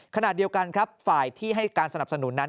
ขณะเดียวกันครับฝ่ายที่ให้การสนับสนุนนั้น